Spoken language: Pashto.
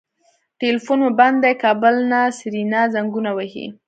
ټليفون مو بند دی کابل نه سېرېنا زنګونه وهي.